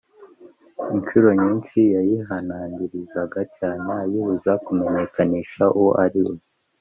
incuro nyinshi yayihanangirizaga cyane ayibuza kumenyekanisha uwo ari we